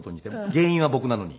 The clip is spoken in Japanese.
原因は僕なのに。